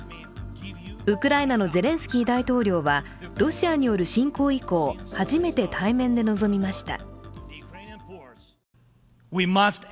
ウクライナのゼレンスキー大統領はロシアによる侵攻以降、初めて対面で臨みました。